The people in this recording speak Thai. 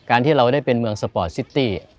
ที่เราได้เป็นเมืองสปอร์ตซิตี้